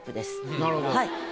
はい。